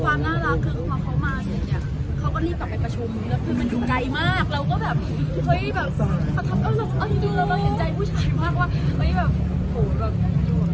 มันดูไกลมากเราก็แบบ๕๕๕เพราะว่าก็ใจผู้ชายมากว่า